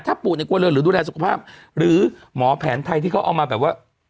ถ้าปู่ในกลัวเรือหรือดูแลสุขภาพหรือหมอแผนไทยที่เขาเอามาแบบว่า